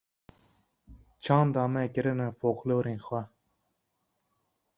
çanda me kirine foqlorên xwe.